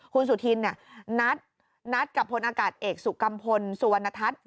คุณสุธินนัดกับพลอากาศเอกสุกัมพลสุวรรณทัศน์